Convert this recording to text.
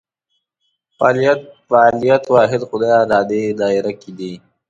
فعالیت فاعلیت واحد خدای ارادې دایره کې دي.